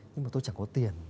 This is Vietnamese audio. nhưng mà tôi chẳng có tiền